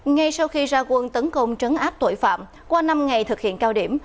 ngay sau khi ra quân tấn công trấn áp tội phạm qua năm ngày thực hiện cao điểm